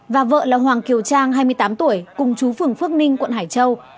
và vợ là hoàng kiều trang hai mươi tám tuổi cùng chú phường phước ninh quận hải châu